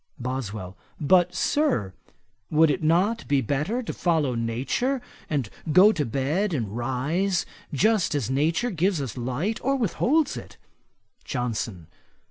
BOSWELL. 'But, Sir, would it not be better to follow Nature; and go to bed and rise just as nature gives us light or with holds it?' JOHNSON.